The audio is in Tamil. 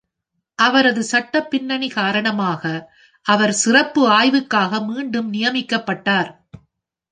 அவரது சட்ட பின்னணி காரணமாக அவர் சிறப்பு ஆய்வுக்காக மீண்டும் நியமிக்கப்பட்டார்.